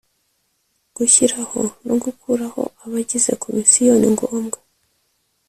gushyiraho no gukuraho abagize komisiyo ningombwa.